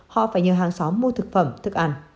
họ phải nhờ hàng xóm mua thực phẩm thức ăn